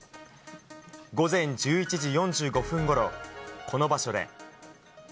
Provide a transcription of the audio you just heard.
午前１１時４５分ごろ、この場所で。